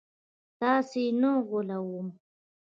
تاسي نه غولوم